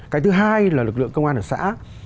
cái thứ hai là lực lượng công an ở xã